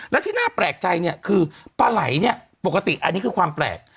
แล้วที่น่าแปลกใจเนี่ยคือปลาไหล่เนี่ยปกติอันนี้คือความแปลก